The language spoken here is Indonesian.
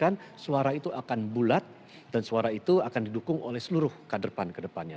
karena suara itu akan bulat dan suara itu akan didukung oleh seluruh ke depan ke depannya